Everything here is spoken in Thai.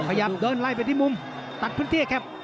ขยับเดินไล่ไปที่มุมตัดพื้นที่ให้แคบ